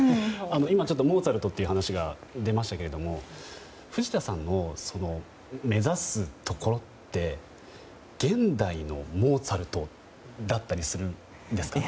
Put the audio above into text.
今、モーツァルトという話が出ましたけど藤田さんの目指すところって現代のモーツァルトだったりするんですか？